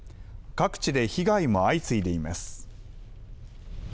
各地で被害も相次いでいます。